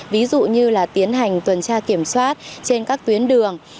ví dụ như là tiến hành tuần tra kiểm soát trên các tuyến đường